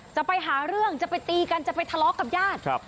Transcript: จะไปหาเรื่องจะไปตีกันจะไปทะเลาะกับญาติ